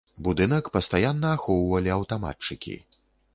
Будынак пастаянна ахоўвалі аўтаматчыкі.